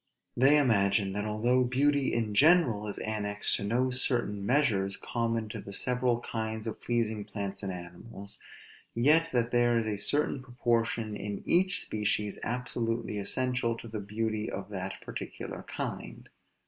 They imagine, that although beauty in general is annexed to no certain measures common to the several kinds of pleasing plants and animals; yet that there is a certain proportion in each species absolutely essential to the beauty of that particular kind.